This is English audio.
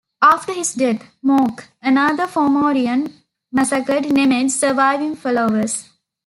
After his death, Morc, another Fomorian massacred Nemed's surviving followers.